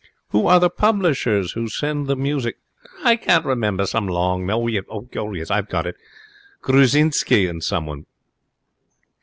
'Who are the publishers who send the music?' 'I can't remember. Some long name. Yes, I've got it. Grusczinsky and someone.'